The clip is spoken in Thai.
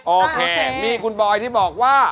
โอเคมีคุณบอยที่บอกว่า